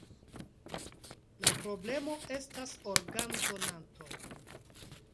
La problemo estas organdonantoj.